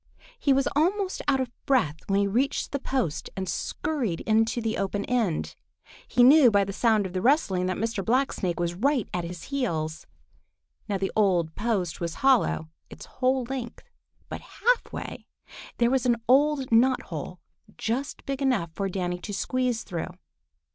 He was almost out of breath when he reached the post and scurried into the open end. He knew by the sound of the rustling that Mr. Blacksnake was right at his heels. Now the old post was hollow its whole length, but half way there was an old knot hole just big enough for Danny to squeeze through.